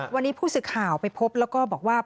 วันนี้ผู้สื่อข่าวไปพบแล้วก็บอกว่า